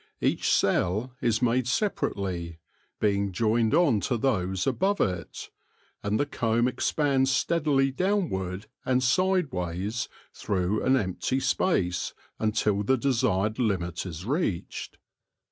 Each cell is made separately, being joined on to those above it ; and the comb expands steadily downward and sideways through an empty space until the desired limit is reached.